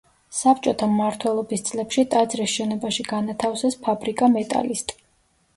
საბჭოთა მმართველობის წლებში ტაძრის შენობაში განათავსეს ფაბრიკა „მეტალისტი“.